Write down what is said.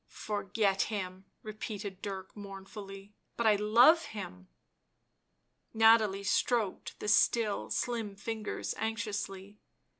" Forget him!" repeated Dirk mournfully. "But I love him." Nathalie stroked the still, slim fingers anxiously.